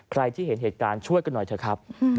ใครที่เห็นเหตุการณ์ช่วยกันหน่อยเถอะครับ